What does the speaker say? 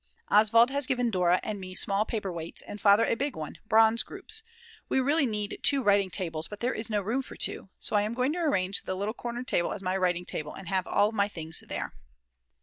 Oswald has given Dora and me small paperweights and Father a big one, bronze groups. We really need two writing tables, but there is no room for two. So I am going to arrange the little corner table as my writing table and have all my things there.